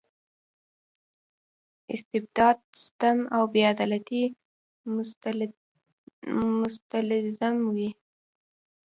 استبداد ستم او بې عدالتۍ مستلزم وي.